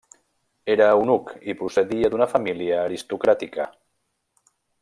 Era eunuc i procedia d'una família aristocràtica.